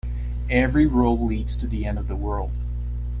Every road leads to the end of the world.